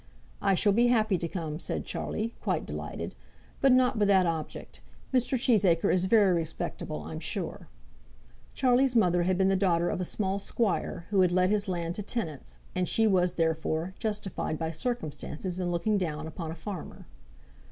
"I shall be happy to come," said Charlie, quite delighted; "but not with that object. Mr. Cheesacre is very respectable, I'm sure." Charlie's mother had been the daughter of a small squire who had let his land to tenants, and she was, therefore, justified by circumstances in looking down upon a farmer.